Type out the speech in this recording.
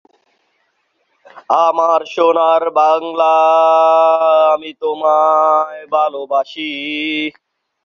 পূর্বে এই কেন্দ্রটি কাটোয়া লোকসভা কেন্দ্র এর অন্তর্গত।